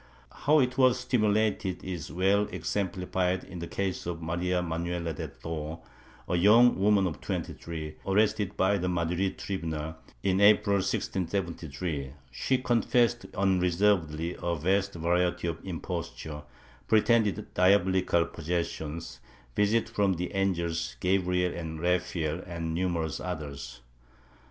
How it was stimulated is well exemplified in the case of Maria Manuela de Tho —, a young woman of 23, arrested by the Madrid tribunal, in April, 1673. She confessed unreservedly a vast variety of impostures, pretended diabolical possession, visits from the angels Gabriel and Raphael and numerous others.